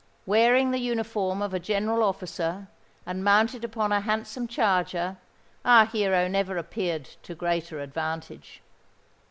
Wearing the uniform of a General officer, and mounted upon a handsome charger, our hero never appeared to greater advantage.